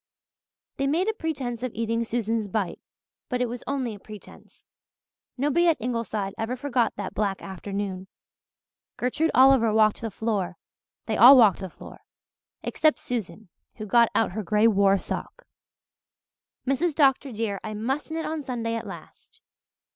They made a pretence of eating Susan's "bite," but it was only a pretence. Nobody at Ingleside ever forgot that black afternoon. Gertrude Oliver walked the floor they all walked the floor; except Susan, who got out her grey war sock. "Mrs. Dr. dear, I must knit on Sunday at last.